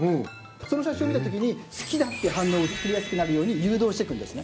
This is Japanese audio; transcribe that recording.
その写真を見たときに好きだって反応を作りやすくなるように誘導していくんですね。